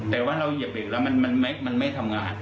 แต่ว่าเราเหยียบเหล็กแล้วมันไม่ทำงาน